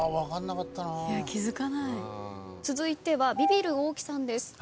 続いてはビビる大木さんです。